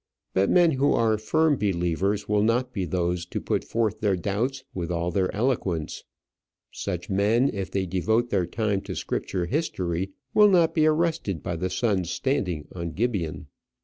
But men who are firm believers will not be those to put forth their doubts with all their eloquence. Such men, if they devote their time to Scripture history, will not be arrested by the sun's standing on Gibeon.